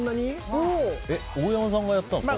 大山さんがやったんですか？